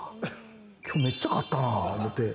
きょうめっちゃかったな思って。